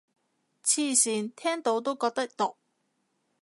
黐線，聽到都覺得毒